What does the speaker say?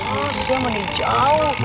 ah siapa yang menjawab